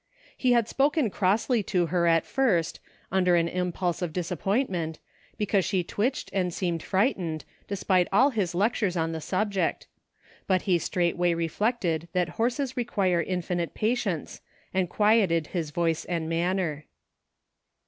He had spoken crossly to her at first, under an impulse of dis appointment, because she twitched and seemed frightened, despite all his lectures on the subject ; but he straightway reflected that horses require in finite patience, and quieted his voice and manner.